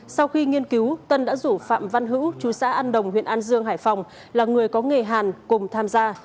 sau khi nghiên cứu tân đã rủ phạm văn hữu chú xã an đồng huyện an dương hải phòng là người có nghề hàn cùng tham gia